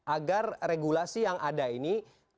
agar regulasi yang ada ini